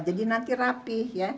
jadi nanti rapih ya